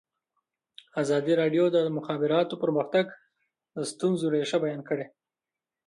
ازادي راډیو د د مخابراتو پرمختګ د ستونزو رېښه بیان کړې.